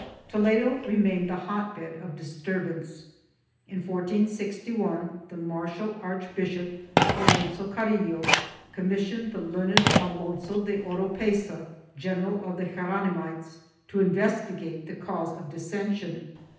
Toledo remained the hot bed of disturbance. In 1461 the martial Archbishop, Alonso Carrillo commissioned the learned Alonso de Oropesa, General of the Geronimites to investigate the cause of dissension.